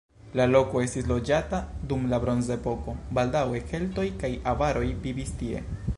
La loko estis loĝata dum la bronzepoko, baldaŭe keltoj kaj avaroj vivis tie.